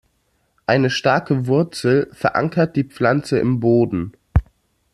Eine starke Wurzel verankert die Pflanze im Boden.